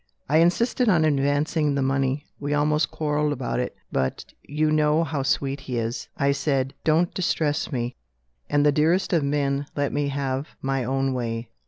I insisted on advancing the money we almost quarrelled about it but, you know how sweet he is. I said: 'Don't distress me'; and the dearest of men let me have my own way."